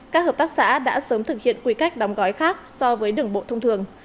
các hợp tác xã đã sớm thực hiện quy cách đóng gói khác so với đường bộ thông thường